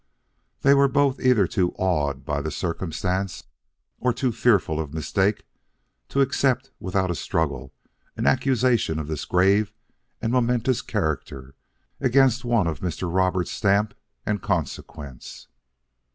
They were both either too awed by the circumstance or too fearful of mistake, to accept without a struggle an accusation of this grave and momentous character against one of Mr. Roberts' stamp and consequence.